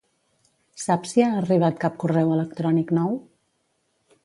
Saps si ha arribat cap correu electrònic nou?